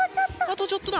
あとちょっとだ。